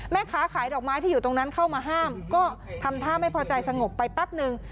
แม่ค้าขายดอกไม้ที่อยู่ตรงนั้นเข้ามาห้ามก็ทำท่าไม่พอใจสงบไปแป๊บนึง